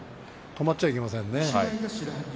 止まっちゃいけませんね。